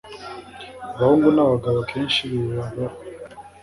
abahungu n'abagabo akenshi bibabaho